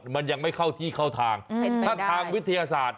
มันยังไม่เข้าที่เข้าทางถ้าทางวิทยาศาสตร์